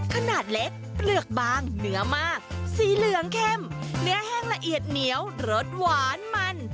ขนาดเล็กเปลือกบางเนื้อมากสีเหลืองเข้มเนื้อแห้งละเอียดเหนียวรสหวานมัน